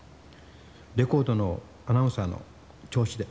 レコードのアナウンサーの調子で。